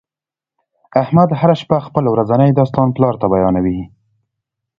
احمد هر شپه خپل ورځنی داستان پلار ته بیانوي.